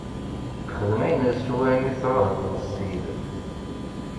Xdem ayen s wayen i tɛuhdeḍ Ssid.